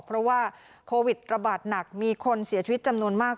เพราะว่าโควิดระบาดหนักมีคนเสียชีวิตจำนวนมาก